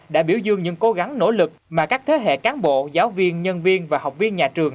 đã biểu dương những cố gắng nỗ lực mà các thế hệ cán bộ giáo viên nhân viên và học viên nhà trường